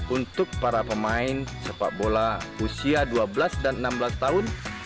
untuk para pemain sepak bola usia dua belas dan enam belas tahun